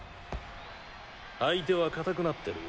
相手は硬くなってる。